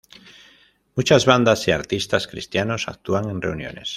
Muchas bandas y artistas cristianos actúan en reuniones.